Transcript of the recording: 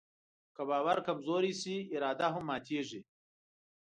که باور کمزوری شي، اراده هم ماتيږي.